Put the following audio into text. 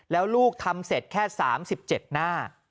แล้วลูกทำเสร็จแค่๓๗หน้า